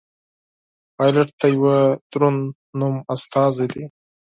پیلوټ د یوه دروند نوم استازی دی.